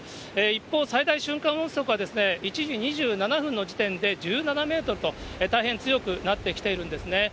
一方、最大瞬間風速は１時２７分の時点で１７メートルと、大変強くなってきているんですね。